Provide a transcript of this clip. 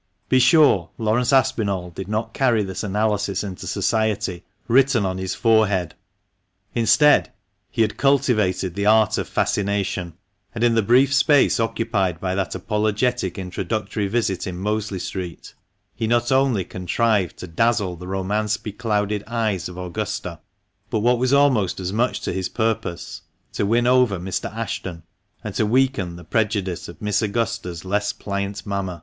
Be sure Laurence Aspinall did not carry this analysis into society, written on his forehead. Instead, he had cultivated the art of fascination ; and in the brief space occupied by that apologetic introductory visit in Mosley Street, he not only contrived to dazzle the romance beclouded eyes of Augusta, but, what was almost as much to his purpose, to win over Mr. Ashton, and to weaken the prejudice of Miss Augusta's less pliant mamma.